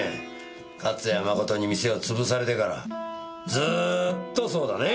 勝谷誠に店を潰されてからずーっとそうだね？